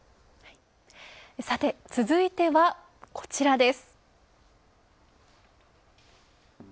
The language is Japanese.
続いては、こちらです。